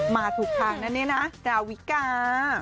มาถูกทางนะเนี่ยนะดาวิกา